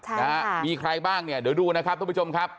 ค่ะนะฮะมีใครบ้างเนี่ยเดี๋ยวดูนะครับทุกผู้ชมครับ